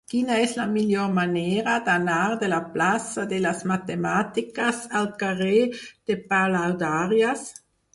Quina és la millor manera d'anar de la plaça de les Matemàtiques al carrer de Palaudàries?